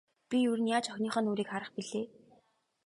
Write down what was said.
Би ер нь яаж охиныхоо нүүрийг харах билээ.